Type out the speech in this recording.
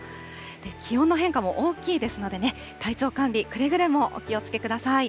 気温の変化も大きいですので、体調管理、くれぐれもお気をつけください。